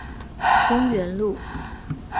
公園路